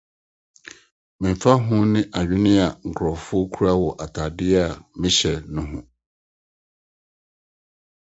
Memfa ho ne adwene a nkurɔfo kura wɔ atade a mehyɛ ho no